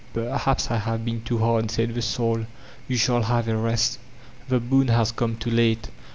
^'Perhaps I have been too hard/* said the Soul; ''you shall have a rest" The boon has come too late.